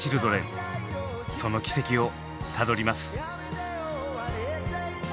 その軌跡をたどります。